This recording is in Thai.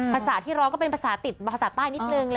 ภาษาที่ร้องก็เป็นภาษาติดภาษาใต้นิดนึง